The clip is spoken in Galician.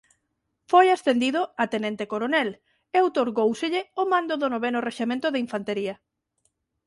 Foi ascendido a Tenente Coronel e outorgóuselle o mando do noveno Rexemento de infantaría.